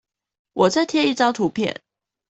我再貼一張圖片